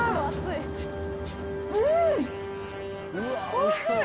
うん！